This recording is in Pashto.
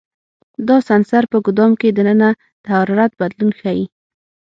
دا سنسر په ګدام کې دننه د حرارت بدلون ښيي.